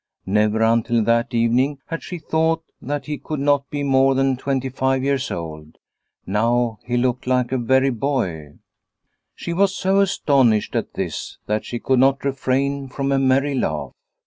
Never until that evening had she thought that he could not be more than twenty five years old. Now he looked like a very boy. She was so astonished at this that she could not refrain from a merry laugh.